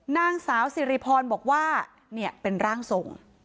นางสาวสิริพรบอกว่าเนี่ยเป็นร่างทรง